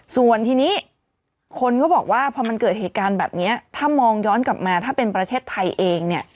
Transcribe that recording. ส่วนทีนี้คนก็บอกว่าพอมันเกิดเหตุการณ์แบบนี้ถ้ามองย้อนกลับมาถ้าเป็นประเทศไทยเองเนี่ย